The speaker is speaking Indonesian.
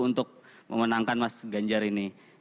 untuk memenangkan mas ganjar ini